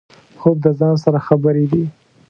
خوب د ځان سره خبرې دي